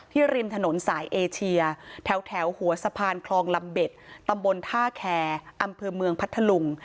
ริมถนนสายเอเชียแถวหัวสะพานคลองลำเบ็ดตำบลท่าแคร์อำเภอเมืองพัทธลุง